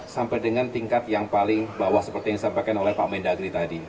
sampai dengan tingkat yang paling bawah seperti yang disampaikan oleh pak mendagri tadi